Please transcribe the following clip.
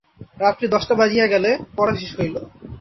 রাত্রি দশটা বাজিয়া গেলে পড়া শেষ হইল।